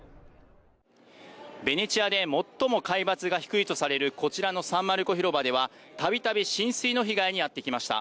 ベネチアで最も海抜が低いとされるこちらのサンマルコ広場ではたびたび浸水の被害に遭ってきました。